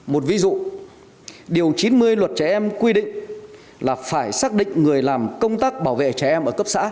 một ví dụ điều chín mươi luật trẻ em quy định là phải xác định người làm công tác bảo vệ trẻ em